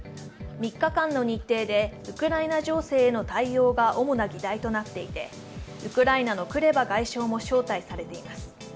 ３日間の日程でウクライナ情勢への対応が主な議題となっていてウクライナのクレバ外相も招待されています。